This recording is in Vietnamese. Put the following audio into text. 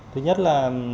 thứ nhất là